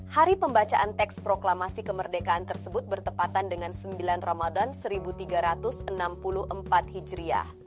hari pembacaan teks proklamasi kemerdekaan tersebut bertepatan dengan sembilan ramadan seribu tiga ratus enam puluh empat hijriah